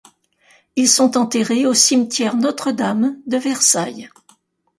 Ils sont enterrés au cimetière Notre-Dame de Versailles.